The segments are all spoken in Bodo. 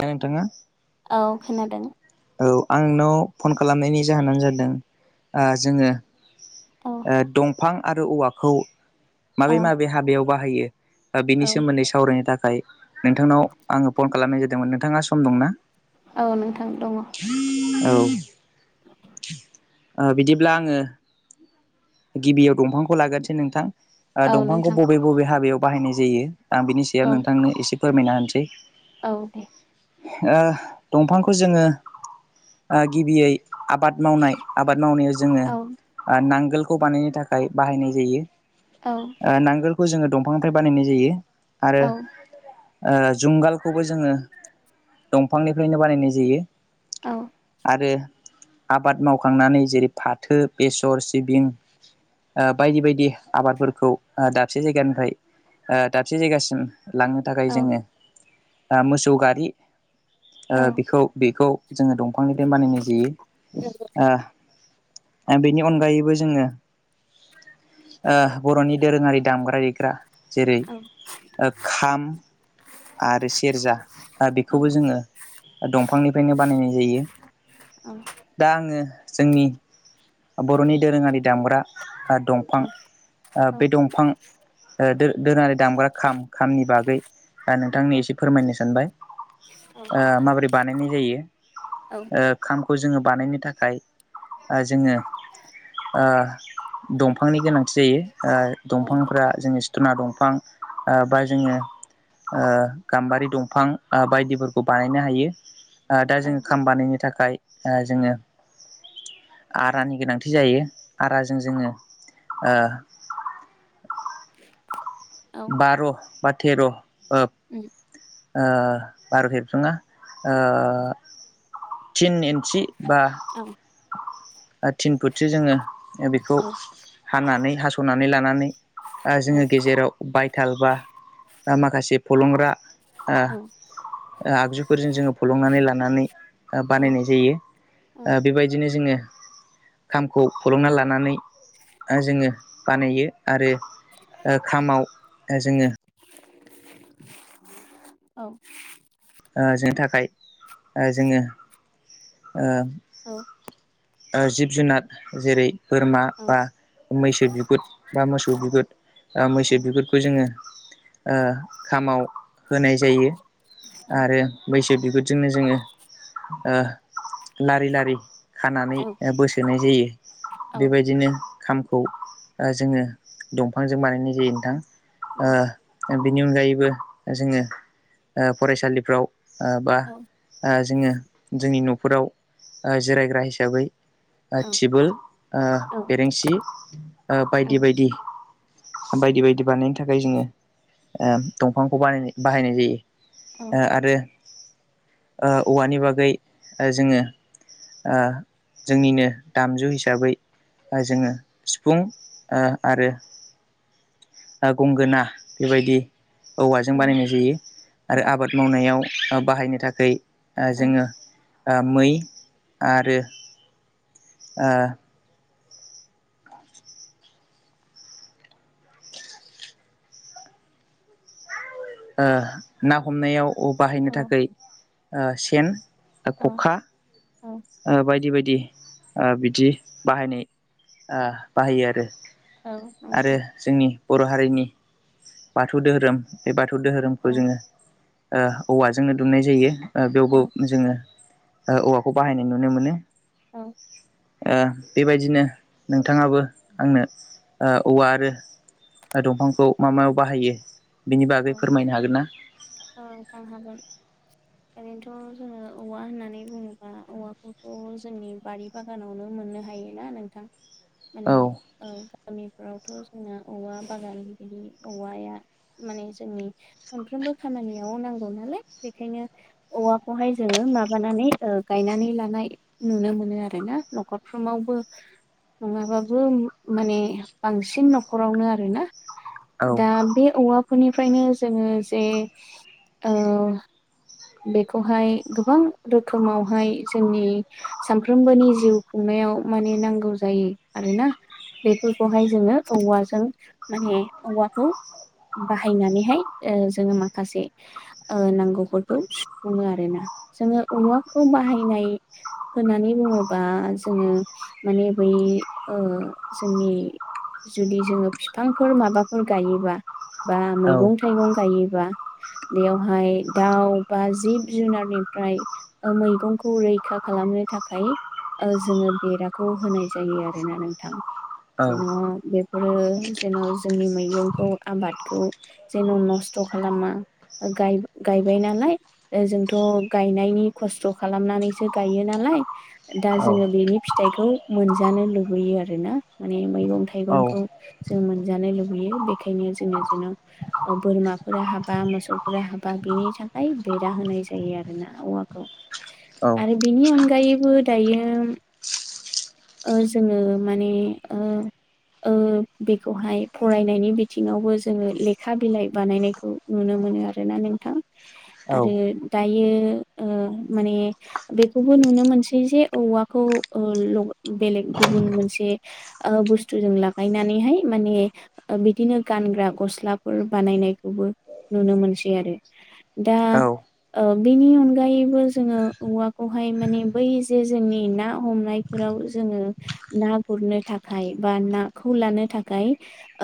था नोंथांङा औ खोनादों औ आं नाव फन खालामनायनि जाहोनानो जादों ओ जोङो औ ओ दंफां आरो औवाखौ औ माबे माबे हाबायाव बाहायो ओ बेनि औ सोमोन्दै सावरायनो थाख खाय नोंथांनाव आङो फन खालामनाय जादोंमोन नोंथाङा सम दंना। औ नोंथां दङ औ ओ बिदिब्ला आङो गिबियाव दंफांखौ लागोदसै नोंथां औ दंफांखौ नोंथां बबे बबे हाबायाव बाहायनाय जायो। आं बिनि सायाव औ नोंथांनो एसे फोरमायना होनसै औ दे ओ दंफांखौ जोङो ओ गिबियै आबाद मावनाय आबाद मावनायाव जोङो औ ओ नांगोलखौ बानायनो थाखाय बाहायनाय जायो। औ ओ नांगोलखौ जोङो दंफांनिफ्राय बानायनाय जायो आरो औ ओ जुंगालखौबो जोङो दंफांनिफ्रायनो बानायनाय जायो औ आरो आबाद मावखांनानै जेरै फाथो बेसर सिबिं ओ बायदि बायदि आबादफोरखौ ओ दाबसे जायगानिफ्राय ओ दाबसे जायगासिम लांनो थाखाय औ जोङो ओ मोसौ गारि ओ औ बेखौ बेखौ जोङो दंफांनिदेन बानायनाय जायो ओ बेनि अनगायैबो जोङो ओ बर'नि दोरोङारि दामग्रा देग्रा जेरै औ ओ खाम आरो सेरजा ओ औ बेखौबो जोङो दंफांनिफायनो बानायनाय जायो दा आङो जोंनि बर'नि दोरोङारि दामग्रा ओ दंफां ओ औ बे दंफां ओ दो दोनानै दामग्रा खाम खामनि बागै नोंथांनि एसे फोरमायनो सानबाय ओ माबोरै बानायनाय जायो औ औ उम ओ खामखौ जोङो बानायनो थाखाय ओ जोङो ओ दंफांनि गोनांथि जायो ओ दंफांफ्रा जोंनि थुना दंफां ओ बा जोङो ओ गाम्बारि दंफां ओ बायदिफोरखौ बानायनो हायो। ओ दा जोङो खाम बानायनो थाख खाय ओ जोङो आरानि गोनांथि जायो। आराजों जोङो ओ बार' बा थेर' ओब ओ बार हेबसुनना ओ थिन इन्सि बा औ थिन फुटसो जोङो बेखौ औ हानानै हास'नानै लानानै ओ औ जोङो गेजेराव हालबा आ माखासे फलंग्रा ओ औ औ आ आगजुफोरजों जोङो फलंनानै लानानै बानायनाय जायो। ओ बेबायदिनो जोङो खामखौ फलंना लानानै ओ जोङो बानायो। आरो ओ खामाव जोङो औ ओ जों थाखाय ओ जोङो ओ औ ओ जिब जुनार जेरै बोरमा बा मैसो बिगुथ। बा मोसौ बिगुर ओ मैसो बिगुरखौ जोंङो ओ खामाव होनाय जायो। आरो मैसो बिगुरजोंनो जोंङो ओ लारि-लारि खानानै ओ बोसोनाय जायो औ बेबायदिनो खामखौ ओ जोंङो दंफांजों बानायनाय जायो नोंथां ओ बेनि अनगायैबो जोंङो फरायसालिफ्राव ओ‌ बा ओ जोंङो जोंनि नफोराव ओ जिरायग्रा हिसाबै ओ टिबोल ओ औ बेरेंसि ओ बायदि बायदि। बायदि बायदि बानायनो थाखाय जोंङो ओ दंफांखौ बानाय बाहायनाय जायो। ओ आरो ओ औवानि बागै ओ जोंङो ओ जोंनिनो दामजु हिसाबै ओ जोंङो सिफुं ओ आरो ओ गंगोना बेबायदि औवाजों बानायनाय जायो। आरो आबाद मावनायाव बाहायनो थाखै ओ जोंङो ओ मै आरो ओ ओ ना हमनायाव ओ बाहायनो थाखाय ओ सेन औ खखा औ ओ‌ बायदि बायदि। ओ बिदि बाहायनाय ओ बाहायो आरो। औ आरो नंगौ औ जोंनि बर हारिनि बाथौ दोहोरोम बे बाथौ थौ दोहोरोमखौ जोंङो औ ओ औवाजोंनो दुमनाय जायो ओ बेवबो जोंङो ओ औवाखौ बाहायनाय नुनो मोनो। औ। ओ बेबायदिनो नोंथांङाबो आंनो औवा आरो ओ दंफांखौ मा मायाव बाहायो बिनि बागै फोरमायनो हागोन ना? औ ओनथां हागोन। ओरैनोथ' जोंङो औवा होननानै बुंङोबा औवाखौथ' जोंनि बारि बागानावनो मोननो हायोना नोंथां माने औ। गामिफ्रावथ' जोंना औवा बागालि बिदि औवाया माने जोंनि मोनफ्रोमबो खामानियाव नांगौ नालाय बेखायनो औवाखौहाय जोंङो माबानानै ओ गायनानै लाना नाय नुनो मोनो आरोना नखरफ्रावबो नंङाबाबो माने बांसिन न'खरावनो आरोना। औ दा बे औवाफोरनिफ्रायनो जोंङो जे ओ बेखौहाय गोबां रोखोमावहाय जोंनि सानफ्रोमबोनि जिउ खुंनाय याव माने नांगौ जायो आरोना। बेफोरखौहाय जोंङो औवाजों माने औवाखौ बाहायनानैहाय ओ जोंङो माखासे ओ नांगौफोरखौ खौ सुफुंङो आरोना। जोंङो औवाखौ बाहायनाय होननानै बुंङोबा जो ङो माने बै ओ जोंनि जुदि जोंङो बिफांफोर माबाफोर गायोबा बा औ मैगं थाइगं गायोबा बेयावहाय दाउ बा जिब जुनारनिफ्राय ओ मैगंखौ रैखा खालामनो थाखाय ओ जोंङो बेराखौ होनाय जायो आरोना नोंथां। औ जेन' बे हरो जेन' जोंनि मैगंखौ आबादखौ जेन' नस्थ' खालामा। ओ गाय-गायबाय नालाय ओ जोंथ' गायनायनि खस्थ' खालामनानैसो गायो नालाय दा औ जोंङो बेनि फिथाइखौ मोनजानो लुबैयो आरोना माने मैगं औ थाइगंखौ जों मोनजानो लुबैयो। बेखायनो जोंङो जेन' ओ बोरमाफोरा हाबा मोसौफोरा हाबा बिनि थाखाय बेेरा होनाय जायो आरोना औवाखौ। औ आरो बेनि अनगायैबो दायो ओ जोङो माने ओ ओ बेखौहाय फरायनायनि बिथिङावबो जोङो लेखा बिलाइ बानायनायखौ नुनो मो मोनो आरोना नोंथां। आरो दायो ओ माने बेखौबो नुनो मोनसै जे औवाखौ ओ लग बेलेग गुबुन मोनसे ओ बुस्थुजों लागायनानैहाय माने बिदिनो गानग्रा गस्लाफोर बानायनायखौबो नुनो मोनसै आरो। दा औ ओ- बेनि अनगायैबो जोङो औवाखौहाय माने बै जे जोंनि ना हमनाय फोराव जोङो ना गुरनो थाखाय बा नाखौ लानो थाखाय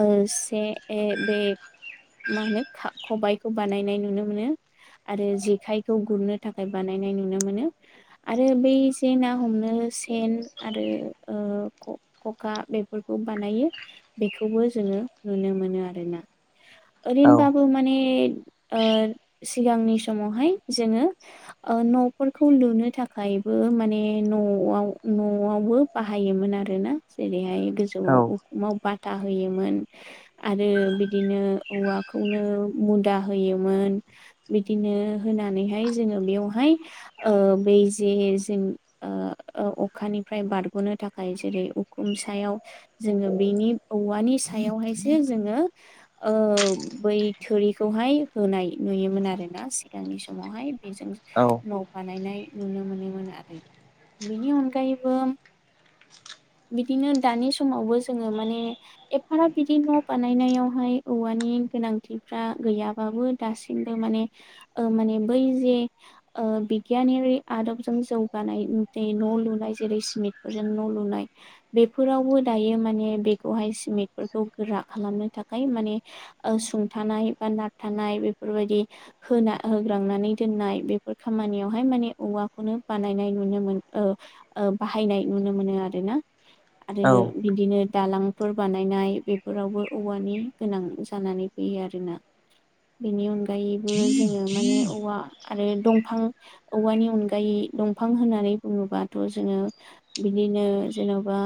ओ- बे ए बे मा होनो खा खबायाइखौ बानायनाय नुनो मोनो आरो जेखायखौ गुरनो थाखाय बानायनाय नुनो मोनो आरो बै एसे ना हमनो सेन आरो ओ- खखा बेफोरखौ बानाय बे जोङो नुनो मोनो आरोना ओरैनोबाबो माने ओ- सिगांनि समावहाय जोङो ओ- न'फोरखौ लुनो थाखायबो माने न'आवबो बाहायोमोन आरोना जेरैहाय गोजौआव औ उखुमाव बाथा हो होयोमोन आरो बिदिनो औवाखौनो मुदा होयोमोन बिदिनो होनानैहाय जोङो बेयावहाय ओ- बै जे जों ओ- ओ- अखानिफ्राय बारग'नो थाखाय जेरै उखुम सायाव जोङो बेनि औवानि सायावहायसो जोङो ओ- बै थोरिखौहाय होनाय नुयोमोन आरोना सिगांनि समावहाय बेजों न' बानायनाय नुनो मोनोमोन आरो बेनि अनगायैबो [inaudible] बिदिनो दानि समावबो जोङो माने एफाराब बिदि न' बानायनायावहाय औवानि गोनांथिफ्रा गैयाबाबो दासिमबो माने ओ- माने बै जे ओ- बिगियानारि आदबजों जौगानाय लनाय न'लुनाय जेरै सिमेन्टफोरजों न' लुनाय बेफोरावबो दायो माने बे- बेहाय सिमेन्टफोरखौ गोरा खालामनो थाखाय माने ओ- सुंथानाय बा नारथ बेफोरबायदि होना होग्रांनानै दोननाय बेफोर खामानियावहाय माने औवाखौनो बानायनाय नुनो मोन ओ- ओ- बाहायनाय नुनो मोनो आरोना आरो बिदिनो दालां फोर बानायनाय बेफोरावबो औवानि गोनां जानानै फैयो आरोना बेनि अनगायैबो जोङो माने औवा आरो दंफां औवानि अनगायै दं दंफां होननानै बुङोबाथ' जोङो बिदिनो जेन'बा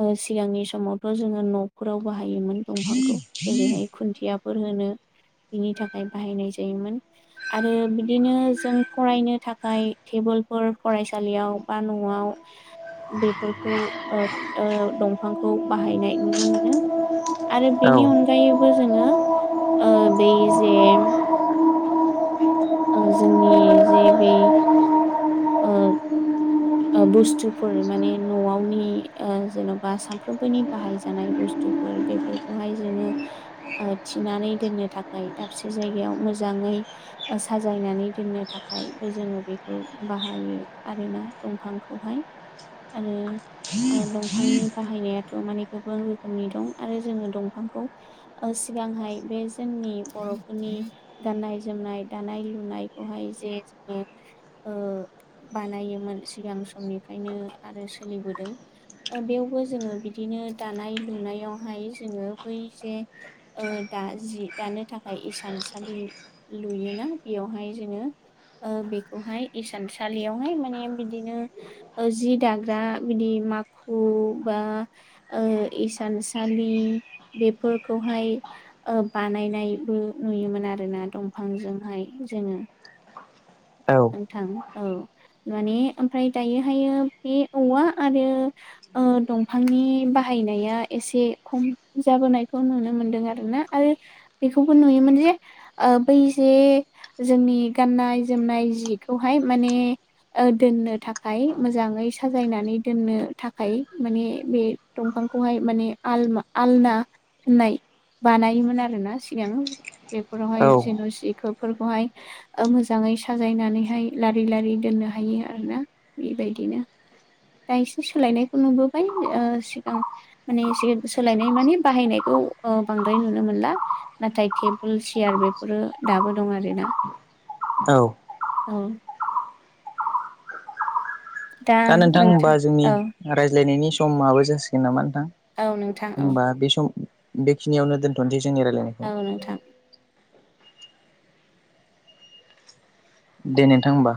ओ- सिगांनि समावथ' जोङो न'फोराव बाहायोमोन दंफांखौ जेरैहाय खुन्थियाफोर हो नो बिनि थाखाय बाहायनाय जायोमोन आरो बिदिनो जों फरायनो थाखाय टेबोल फरायसालियाव बा न'आव बेफोरखौ दंफांखौ ओ- ओ- बाहायनाय नुनो मोनो आरो औ बेनि औ अनगायैबो जोङो ओ- बै जे ओ- जोंनि जे बे ओ- ओ- बुस्थुफोर माने न'आवनि ओ- जेन'बा सानफ्रोमबोनि बाहाय जानाय बुस्थु [unintelligible] बेफोरखौहाय जोङो ओ- थिनानै दोननो थाखाय दाबसे जायगायाव मोजाङै साजायनानै दोननो थाखायबो जोङो बेखौ बाहायो आरोना दंफांखौहाय आरो ओ- दंफांनि बाहायनायाथ' माने गोबां रोखोमनि दं आरो जोङो दंफांखौ सिगांहाय बे जोंनि बर'फोरनि गाननाय जोमनाय दानाय लुनायखौहाय जे ओ- बानायोमोन सिगां समनिफ्रायनो आरो सोलिबोदों ओ- बेयावबो जोङो बिदिनो दानाय लुनाय दानायावहाय जोङो बै जे ओ दा जि दानो थाखाय इसानसालि लुयोना बेयावहाय जोङो ओ- बेखौहाय इसानसालियावहाय माने बिदिनो ओ- जि दाग्रा बिदि माखु बा ओ- इस सानसालि बेफोरखौहाय ओ बानायनायबो नुयोमोन आरोना ना दंफांजोंहाय जोङो। औ नोंथां औ। माने ओमफ्राय दायोहायो बे औवा आरो ओ दंफांनि बाहायनाया एसे खम जाबोनायखौ नुनो मोनदों आरोना आरो बेखौबो नुयोमोन जे ओ बै जे जोंनि गाननाय जोमनाय जि जिखौहाय माने ओ दोननो थाखाय मोजाङै साजायनानै दोननो थाखाय माने बे दंफां फांखौहाय माने आलमा आलना होननाय बानायोमोन आरोना सिगां। बेफोरावहाय औ जेन' सिखोफोरखौहाय ओ मोजाङै सा जायनानैहाय लारि लारि दोननो हायो आरोना बेबायदिनो। दा एसे सोलायनायखौ नुबोबाय। ओ सिगां माने एसे सोलायनाय माने बाहायनायखौ खौ ओ बांद्राय नुनो मोनला। नाथाय टेबोल चेयार बेफोरो दाबो दं आरोना। औ। औ। दा नोंथां होमबा जोंनि रायज्लायनायनि स समाबो जासिगोन नामा नोंथां? औ नोंथां औ होमबा बे सम उम बेखिनियावनो दोनथनसै। जोंनि रायलायनायखौ। औ नोंथां दे नोंथां होमबा।